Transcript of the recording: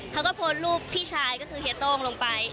เขาก็โพสต์รูปพี่ชายก็คือเฮียโต้งลงไป